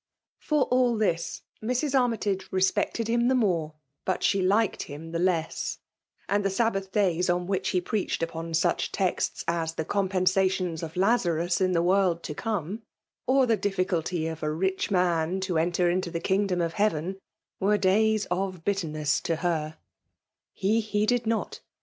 For all Hag, Mrs. Armytage respected him the Hiore, — ^bot she liked him the less ;— and the Sabbath days on which he preached upon such texts as the compensations of Lazarus in the worid to corae> —or the difficulty of a rich man to enter into the kingdom of heaven^ were days of bitterness to her» He heeded not.